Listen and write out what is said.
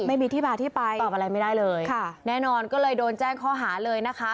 ไม่มีที่มาที่ไปตอบอะไรไม่ได้เลยค่ะแน่นอนก็เลยโดนแจ้งข้อหาเลยนะคะ